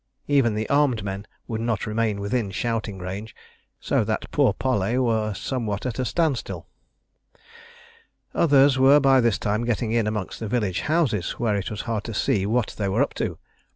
Even the armed men would not remain within shouting range, so that pour parlers were somewhat at a standstill. Others were by this time getting in amongst the village houses, where it was hard to see what they were up to.